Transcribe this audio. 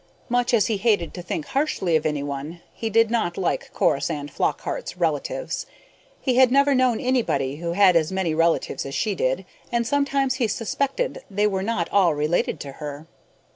Much as he hated to think harshly of anyone, he did not like Corisande Flockhart's relatives. He had never known anybody who had as many relatives as she did, and sometimes he suspected they were not all related to her.